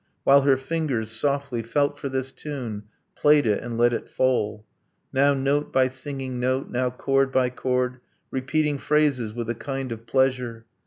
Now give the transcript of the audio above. . while her fingers, softly, Felt for this tune, played it and let it fall, Now note by singing note, now chord by chord, Repeating phrases with a kind of pleasure